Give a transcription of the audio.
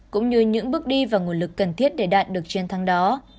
cũng như những bước đi và nguồn lực cần thiết để đạt được chiến thắng đó